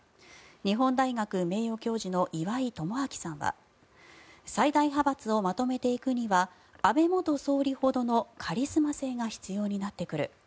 日本大学名誉教授の岩井奉信さんは最大派閥をまとめていくには安倍元総理ほどのカリスマ性が必要になってくる。